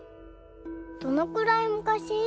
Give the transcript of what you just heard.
どのくらいむかし？